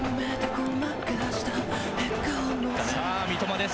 さあ、三笘です。